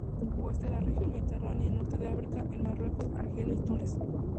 Oeste de la región mediterránea y Norte de África, en Marruecos, Argelia y Túnez.